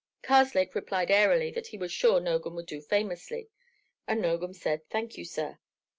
Karslake replied airily that he was sure Nogam would do famously, and Nogam said "Thank you, sir."